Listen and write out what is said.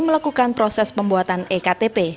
melakukan proses pembuatan ektp